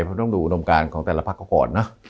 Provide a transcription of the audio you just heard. เพราะต้องดูอุดมการของแต่ละภาคก็ก่อนนะ